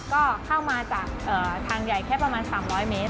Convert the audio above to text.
ก็เข้ามาจากทางใหญ่แค่ประมาณ๓๐๐เมตร